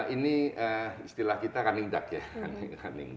ini istilah kita running duck ya